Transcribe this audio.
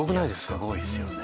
すごいですよね。